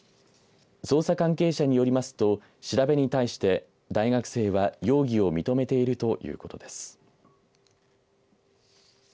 捜査関係者によりますと調べに対して大学生は容疑を認めているということです。